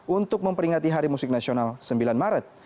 untuk memperingati hari musik nasional sembilan maret